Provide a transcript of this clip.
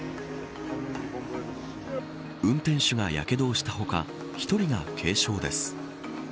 運転手がやけどをした他１人が軽傷です。